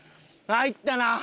入ったな